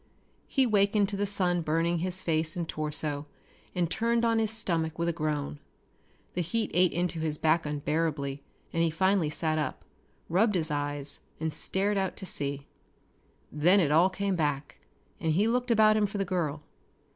He wakened with the sun burning his face and torso, and turned on his stomach with a groan. The heat ate into his back unbearably and he finally sat up, rubbed his eyes and stared out to sea. Then it all came back and he looked about him for the girl.